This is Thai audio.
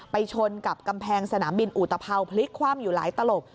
ไปชนกับกำแพงสนามบินอูตเผ่าพลิกความหยุร้ายตลก